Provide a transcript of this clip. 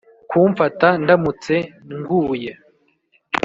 kumfata ndamutse nguye